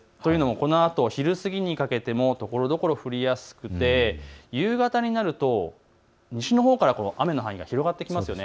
このあと昼過ぎにかけてもところどころ降りやすく、夕方になると西のほうから雨の範囲が広がってきますよね。